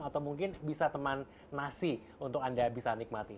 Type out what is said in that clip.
atau mungkin bisa teman nasi untuk anda bisa nikmati